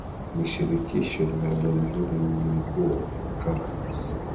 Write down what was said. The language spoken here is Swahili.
ni shirikisho la jamhuri Mji mkuu ni Caracas